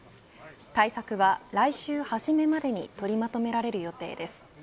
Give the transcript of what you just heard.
対策は、来週初めまでに取りまとめられる予定です。